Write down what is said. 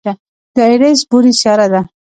د ایرېس بونې سیاره ده.